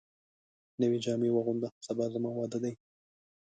نوي جامي واغونده ، سبا زما واده دی